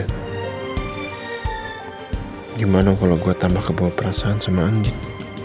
bagaimana kalau gue tambah kebawa perasaan sama andin